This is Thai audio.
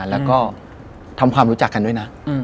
แล้วก็ทำความรู้จักกันด้วยนะ